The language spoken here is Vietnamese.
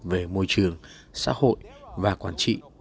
về môi trường xã hội và quản trị